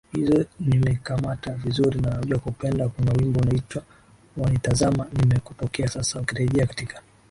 hizo nimekamata vizuri na Najua kupenda kuna wimbo unaitwa Wanitazama Nimekupokea Sasa ukirejea katika